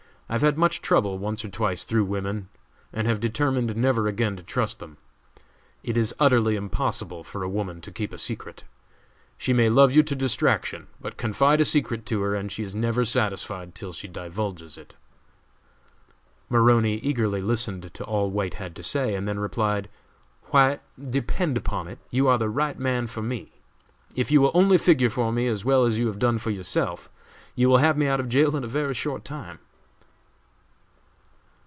I have had much trouble once or twice through women, and have determined never again to trust them. It is utterly impossible for a woman to keep a secret. She may love you to distraction, but confide a secret to her and she is never satisfied till she divulges it." Maroney eagerly listened to all White had to say, and then replied: "White, depend upon it, you are the right man for me! If you will only figure for me as well as you have done for yourself, you will have me out of jail in a very short time."